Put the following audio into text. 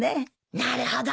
なるほど。